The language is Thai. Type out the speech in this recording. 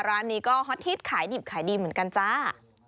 ร้านนี้ก็ฮอตฮิตขายดิบขายดีเหมือนกันจ้า